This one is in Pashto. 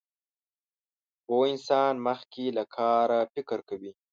پوه انسان مخکې له کاره فکر کوي.